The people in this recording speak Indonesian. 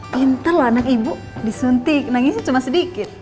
pinter loh anak ibu disuntik nangisnya cuma sedikit